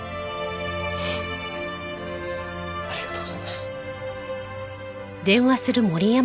ありがとうございます。